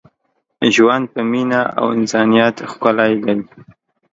ژوند په مینه او انسانیت ښکلی دی.